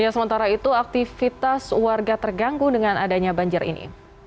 sementara itu aktivitas warga terganggu dengan adanya banjir ini